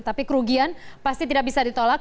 tapi kerugian pasti tidak bisa ditolak